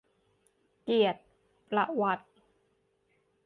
เกียรติประวัติ